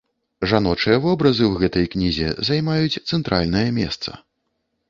Жаночыя вобразы ў гэтай кнізе займаюць цэнтральнае месца.